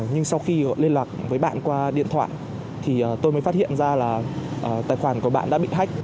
nhưng sau khi họ liên lạc với bạn qua điện thoại thì tôi mới phát hiện ra là tài khoản của bạn đã bị hách